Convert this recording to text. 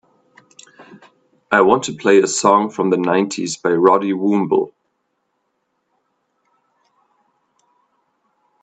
I want to play a song from the nineties by Roddy Woomble